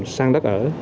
sang đất ở